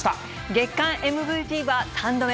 月間ＭＶＰは３度目、